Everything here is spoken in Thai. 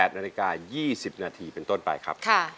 ๘นาฬิกา๒๐นาทีเป็นต้นไปครับ